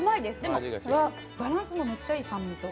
バランスもめっちゃいい、酸味と。